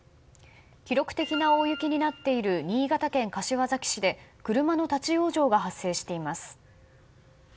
記録的な大雪になっている新潟県柏崎市で車の立往生が発生しています。